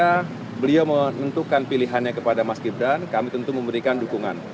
karena beliau menentukan pilihannya kepada mas gibran kami tentu memberikan dukungan